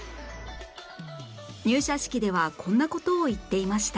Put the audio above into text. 入社式ではこんな事を言っていました